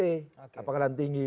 apakah keadaan tinggi